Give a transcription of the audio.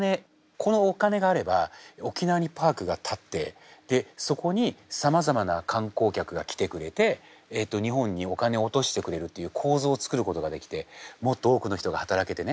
このお金があれば沖縄にパークが建ってでそこにさまざまな観光客が来てくれて日本にお金を落としてくれるっていう構図を作ることができてもっと多くの人が働けてね